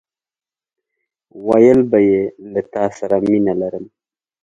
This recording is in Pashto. ويل به يې له تاسره مينه لرم!